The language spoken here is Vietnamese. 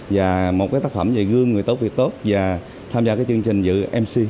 và một tác phẩm về gương người tốt việc tốt và tham gia chương trình dự mc